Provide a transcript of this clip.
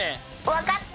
わかった！